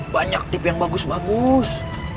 banyak tip yang bagus bagus